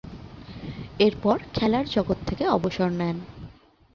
এরপর খেলার জগৎ থেকে অবসর নেন।